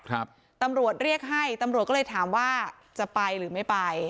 ตำรวจเรียกให้ตำรวจก็เลยถามว่าจะไปหรือไม่ไป